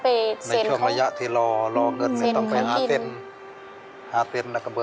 ในเชื่อมะยะทีลองเดือนต้องไปหาเซ็น